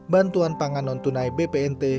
bantuan pangan non tunai bpnt